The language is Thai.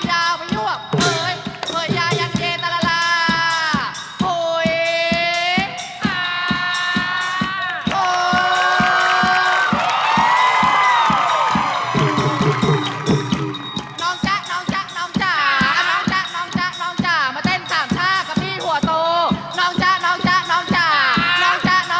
หัวโตหัวโตหัวโตหัวโตไม่ได้กินข้าวกินแต่นับแล้วอดข้าวหัวโตหัวโตหัวโตไม่ได้กินข้าว